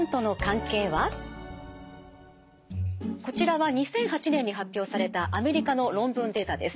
こちらは２００８年に発表されたアメリカの論文データです。